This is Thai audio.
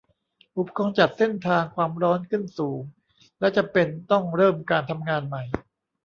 อุปกรณ์จัดเส้นทางความร้อนขึ้นสูง และจำเป็นต้องเริ่มการทำงานใหม่